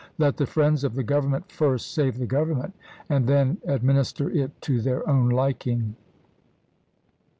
Let the friends of the Govern ment first save the Government, and then administer it to their own liking.